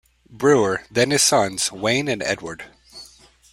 Brewer, then his sons, Wayne and Edward.